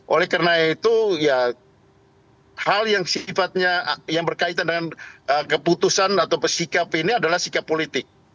oleh karena itu ya hal yang sifatnya yang berkaitan dengan keputusan atau sikap ini adalah sikap politik